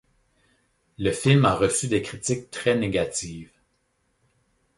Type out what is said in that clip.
Le film a reçu des critiques très négatives.